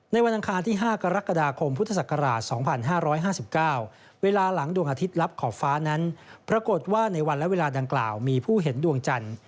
วันอังคารที่๕กรกฎาคมพุทธศักราช๒๕๕๙เวลาหลังดวงอาทิตย์ลับขอบฟ้านั้นปรากฏว่าในวันและเวลาดังกล่าวมีผู้เห็นดวงจันทร์